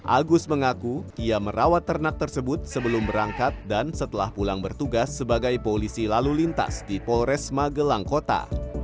agus mengaku ia merawat ternak tersebut sebelum berangkat dan setelah pulang bertugas sebagai polisi lalu lintas di polres magelang kota